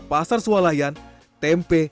pasar sualayan tempe